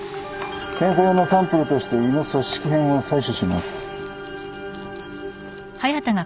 検査用のサンプルとして胃の組織片を採取します。